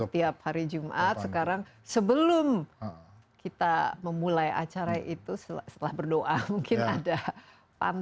tiap hari jumat sekarang sebelum kita memulai acara itu setelah berdoa mungkin ada pantun